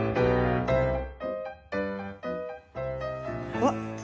うわっ！